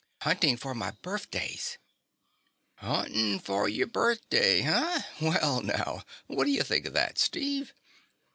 "Hunting for my birthdays." "Huntin' for your birthday, huh? Well, now, what do you think of that, Steve?"